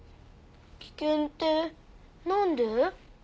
危険ってなんで？